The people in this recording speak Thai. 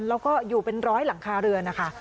แล้วก็อยู่เป็นร้อยหลังคาเรือนนะคะ